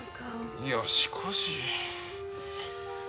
いやしかし。